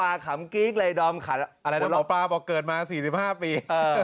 หมอปลาบอกเกิดมา๔๕ปี